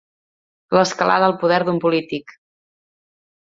L'escalada al poder d'un polític.